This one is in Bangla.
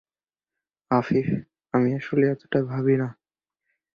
আফিফ: আমি আসলে এতটা ভাবি না।